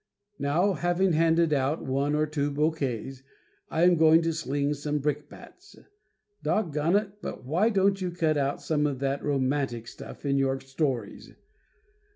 Now having handed out one or two bouquets, I am going to sling some brickbats. Doggone it, but why don't you cut out some of that romantic stuff in your stories?